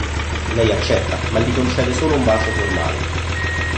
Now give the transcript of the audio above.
Lei accetta, ma gli concede solo un bacio formale.